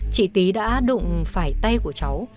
chị tí đã đụng phải tay của cháu